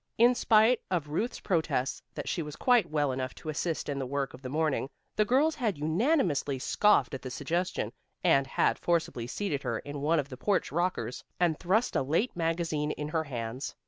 In spite of Ruth's protests that she was quite well enough to assist in the work of the morning, the girls had unanimously scoffed at the suggestion, and had forcibly seated her in one of the porch rockers and thrust a late magazine in her hands.